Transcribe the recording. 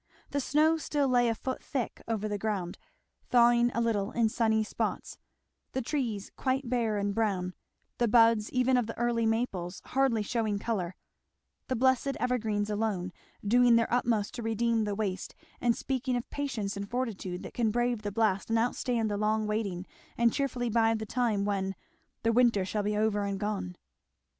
The snow still lay a foot thick over the ground, thawing a little in sunny spots; the trees quite bare and brown, the buds even of the early maples hardly shewing colour; the blessed evergreens alone doing their utmost to redeem the waste, and speaking of patience and fortitude that can brave the blast and outstand the long waiting and cheerfully bide the time when "the winter shall be over and gone."